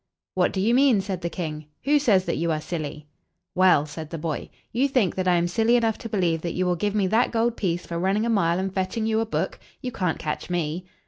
"What do you mean?" said the king. "Who says that you are silly?" "Well," said the boy, "you think that I am silly enough to believe that you will give me that gold piece for running a mile, and fetch ing you a book. You can't catch me."